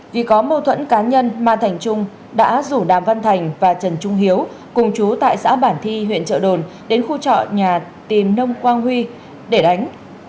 vì có mâu thuẫn cá nhân ma thành trung đã rủ đàm văn thành và trần trung hiếu cùng chú tại xã bản thi huyện trợ đồn đến khu trọ nhà tìm nông quang huy để đánh